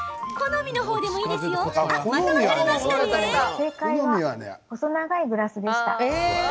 正解は、細長いグラスでした。